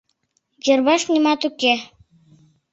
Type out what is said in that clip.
Йырваш нимат уке.